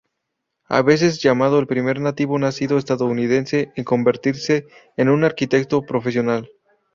A veces llamado el primer nativo nacido estadounidense en convertirse en un arquitecto profesional.